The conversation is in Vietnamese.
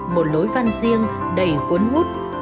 một lối văn riêng đầy cuốn hút